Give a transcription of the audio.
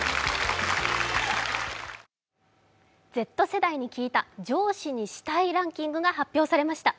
Ｚ世代に聞いた、上司にしたいランキングが発表されました。